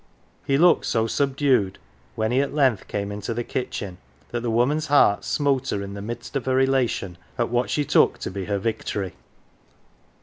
He looked so subdued when he at length came into the kitchen that the woman's heart smote her in the midst of her elation at what she took to be her victory.